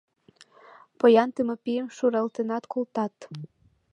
Поян Тымапим шуралтенат колтат.